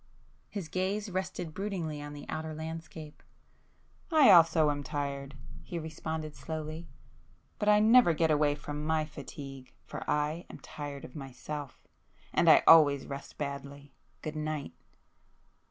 His gaze rested broodingly on the outer landscape. "I also am tired," he responded slowly—"But I never get away from my fatigue, for I am tired of myself. And I always rest badly. Good night!"